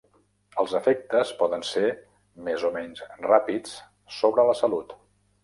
Els efectes poden ser més o menys ràpids sobre la salut.